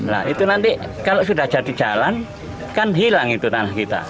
nah itu nanti kalau sudah jadi jalan kan hilang itu tanah kita